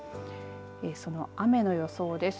その雨の予想です。